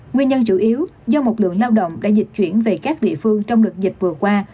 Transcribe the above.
nguyên nhân chủ yếu do một lượng lao động đã dịch chuyển về các địa phương trong đợt dịch vừa qua